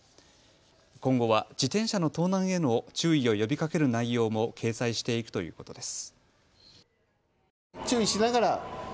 今後は自転車の盗難への注意を呼びかける内容も掲載していくということです。